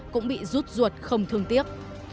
cũng bị rút ruột không thương tiếc